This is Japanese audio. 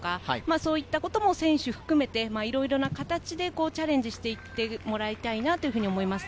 そういったことも選手含めて、いろいろな形でチャレンジしていってもらいたいと思います。